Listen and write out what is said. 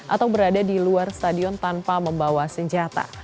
atau berada di luar stadion tanpa membawa senjata